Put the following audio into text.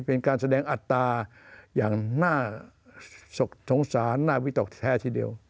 เป็นการแสดงอัตราอย่างน่าสงสารน่าวิตกแท้ทีเดียว